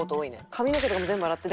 髪の毛とかも全部洗って。